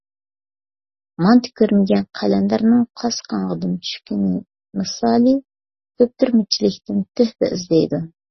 مانتا كۆرمىگەن قەلەندەرنىڭ قاسقانغا دۈم چۈشكىنى مىسالى كۆپتۈرمىچىلىكتىن تۆھپە ئىزدەيدۇ.